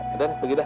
yaudah pergi dah